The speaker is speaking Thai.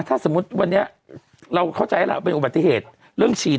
ถ้าสมมุติวันนี้เราเข้าใจแล้วเป็นอุบัติเหตุเรื่องฉีด